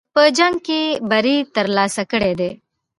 په جنګ کې بری ترلاسه کړی دی.